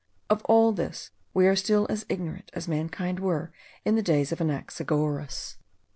Of all this we are still as ignorant as mankind were in the days of Anaxagoras.